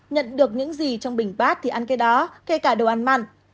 nhận được những gì trong bình bát thì ăn cái đó kể cả đồ ăn mặn